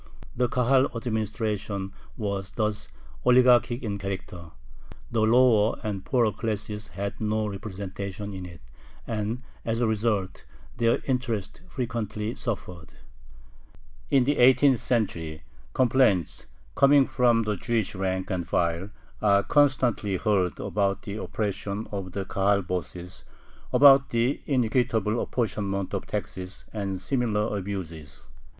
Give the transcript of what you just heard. The Kahal administration was thus oligarchic in character. The lower and poorer classes had no representation in it, and, as a result, their interests frequently suffered. In the eighteenth century complaints, coming from the Jewish rank and file, are constantly heard about the oppression of the Kahal "bosses," about the inequitable apportionment of taxes, and similar abuses.